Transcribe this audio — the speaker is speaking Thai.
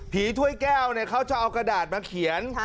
ถ้วยแก้วเขาจะเอากระดาษมาเขียน